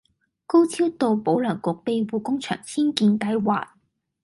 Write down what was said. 高超道保良局庇護工場遷建計劃